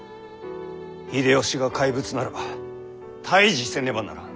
秀吉が怪物ならば退治せねばならん。